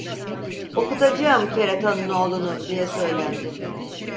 "Okutacağım keratanın oğlunu!" diye söylendi.